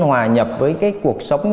hòa nhập với cái cuộc sống